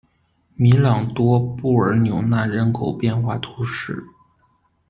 米朗多布尔纽纳人口变化图示